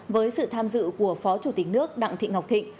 với sự tham dự của phó chủ tịch nước đặng thị ngọc thịnh